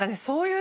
そう！